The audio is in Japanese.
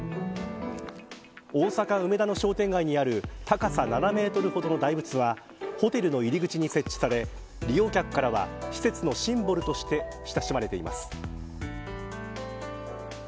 大阪、梅田の商店街にある高さ７メートルほどの大仏はホテルの入り口に設置され利用客からは施設のシンボルとして親しまれています。